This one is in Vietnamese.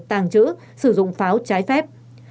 tàng trữ sử dụng pháo trái phép